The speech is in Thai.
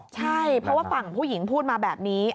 ใช่เพราะว่าฝั่งผู้หญิงพูดมาแบบนี้